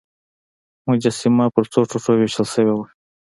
مجسمه په څو ټوټو ویشل شوې وه.